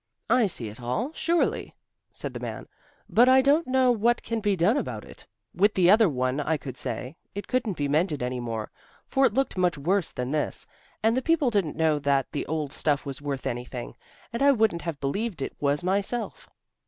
"I see it all, surely," said the man, "but I don't know what can be done about it. With the other one I could say, it couldn't be mended any more, for it looked much worse than this, and the people didn't know that the old stuff was worth anything, and I wouldn't have believed it was myself."